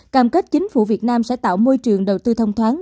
cam kết chính phủ việt nam sẽ tạo môi trường đầu tư thông thoáng